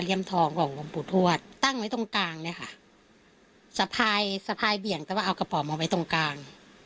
คิดว่าคนร้ายน่าจะเห็นช่วงตอนกำแหนก่อน